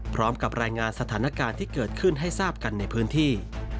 พร้อมกับรายงานสถานการณ์ที่เกิดขึ้นให้ทราบกันในพื้นที่